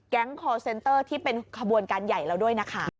คอร์เซนเตอร์ที่เป็นขบวนการใหญ่แล้วด้วยนะคะ